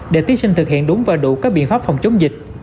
để thí sinh thực hiện đúng và đủ các biện pháp phòng chống dịch